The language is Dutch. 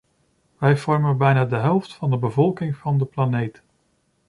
Wij vormen bijna de helft van de bevolking van de planeet.